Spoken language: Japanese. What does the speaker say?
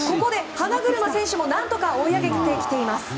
花車選手も何とか追い上げてきています。